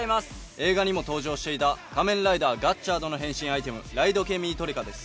映画にも登場していた仮面ライダーガッチャードの変身アイテムライドケミートレカです。